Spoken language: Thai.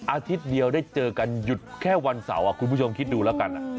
อาทิตย์เดียวได้เจอกันหยุดแค่วันเสาร์คุณผู้ชมคิดดูแล้วกัน